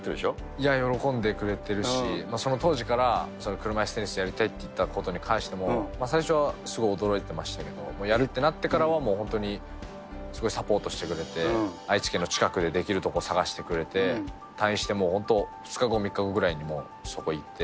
いや、喜んでくれてるし、その当時から、車いすテニスやりたいって言ったことに関しても、最初はすごい驚いてましたけど、やるってなってからは、本当にすごいサポートしてくれて、愛知県の近くでできる所を探してくれて、退院して本当、２日後、３日後ぐらいにそこ行って。